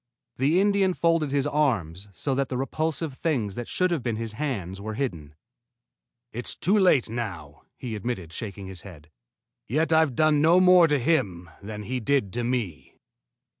The Indian folded his arms so that the repulsive things that should have been hands were hidden. "It's too late now," he admitted, shaking his head. "Yet I've done no more to him than he did to me."